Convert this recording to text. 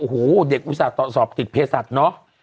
อุหูเด็กอุทสาทสอบติดเพศัตริย์เนอะ